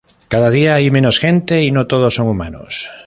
Cada día hay menos gente y no todos son humanos.